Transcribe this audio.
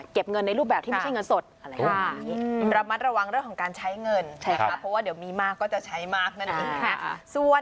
ก็คือดวงดีทั้งเรื่องของการงานด้วยการเงินด้วย